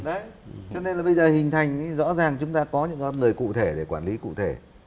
đấy cho nên là bây giờ hình thành rõ ràng chúng ta có những con người cụ thể để quản lý cụ thể